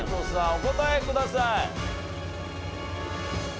お答えください。